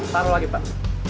taruh lagi pak